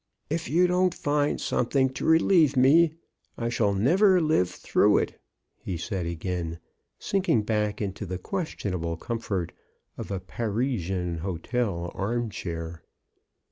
" If you don't find something to relieve me, I shall never live through it," he said again, sinking back into the questionable comfort of aParis ian hotel arm chair.